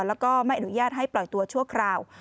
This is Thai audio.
แล้วก็ไม่อนุญาตให้ปล่อยตัวชั่วคราว